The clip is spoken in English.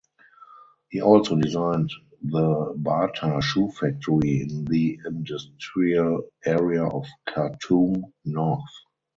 He also designed the Bata Shoe factory in the industrial area of Khartoum North.